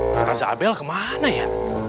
pak zabel kemana ya